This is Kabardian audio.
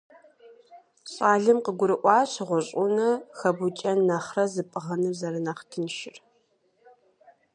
ЩӀалэм къыгурыӀуащ гъущӀ Ӏунэ хэбукӀэн нэхърэ зыпӀыгъыныр зэрынэхъ тыншыр.